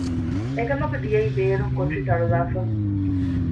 އެކަމަކު ދިޔައީ ބޭރުން ކޮޓަރި ތަޅުލައިފަ